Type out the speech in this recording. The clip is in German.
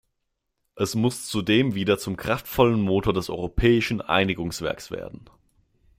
Es muss zudem wieder zum kraftvollen Motor des europäischen Einigungswerks werden.